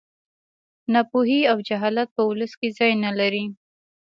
ناپوهي او جهالت په ولس کې ځای نه لري